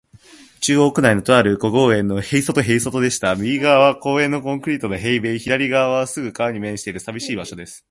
中央区内の、とある小公園の塀外へいそとでした。右がわは公園のコンクリート塀べい、左がわはすぐ川に面している、さびしい場所です。